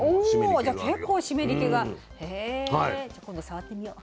あじゃあ結構湿り気が。へじゃあ今度触ってみよう。